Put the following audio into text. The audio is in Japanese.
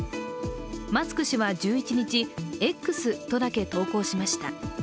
マスク氏は１１日「Ｘ」とだけ投稿しました。